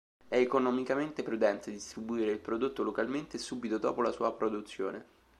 È economicamente prudente distribuire il prodotto localmente e subito dopo la sua produzione.